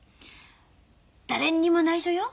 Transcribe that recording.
誰にもないしょよ。